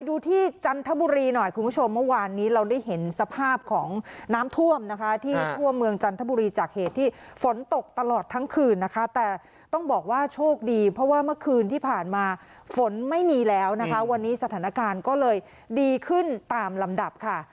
ดูที่จันทบุรีหน่อยคุณผู้ชมเมื่อวานนี้เราได้เห็นสภาพของน้ำท่วมนะคะที่ทั่วเมืองจันทบุรีจากเหตุที่ฝนตกตลอดทั้งคืนนะคะแต่ต้องบอกว่าโชคดีเพราะว่าเมื่อคืนที่ผ่านมาฝนไม่มีแล้วนะคะวันนี้สถานการณ์ก็เลยดีขึ้นตามลำดับค่ะ